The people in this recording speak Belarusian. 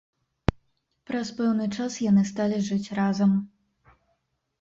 Праз пэўны час яны сталі жыць разам.